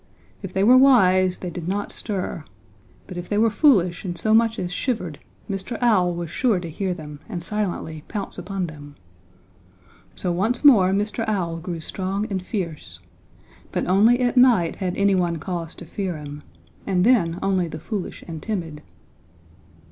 If they were wise they did not stir, but if they were foolish and so much as shivered Mr. Owl was sure to hear them and silently pounce upon them. "So once more Mr. Owl grew strong and fierce. But only at night had anyone cause to fear him, and then only the foolish and timid.